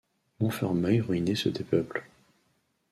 Montfermeil, ruinée, se dépeuple.